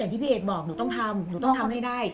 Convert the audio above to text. ที่พี่เอกบอกหนูต้องทำหนูต้องทำให้ได้